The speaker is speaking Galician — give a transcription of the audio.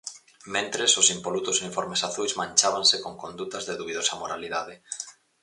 Mentres, os impolutos uniformes azuis manchábanse con condutas de dubidosa moralidade.